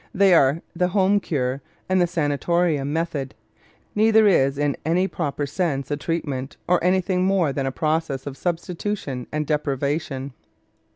They are the "home cure" and the sanatorium method. Neither is in any proper sense a treatment or anything more than a process of substitution and deprivation.